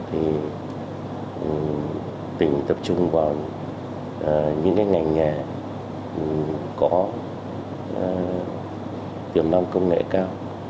thì tỉnh tập trung vào những ngành nhà có tiềm năng công nghệ cao